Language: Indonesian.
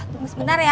tunggu sebentar ya